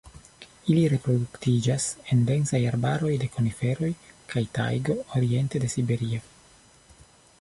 Ili reproduktiĝas en densaj arbaroj de koniferoj kaj tajgo oriente de Siberio.